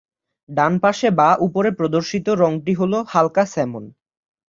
ডানপাশে বা উপরে প্রদর্শিত রঙটি হলো হালকা স্যামন।